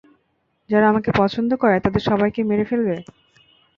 যারা আমাকে পছন্দ করে, তাদের সবাইকে মেরে ফেলবে?